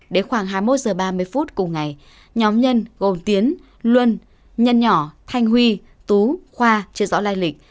đến khoảng hai mươi một h ba mươi phút cùng ngày nhóm nhân gồm tiến luân nhân nhỏ thanh huy tú khoa chưa rõ lai lịch